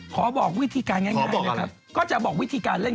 บอกวิธีการง่ายนะครับก็จะบอกวิธีการเล่น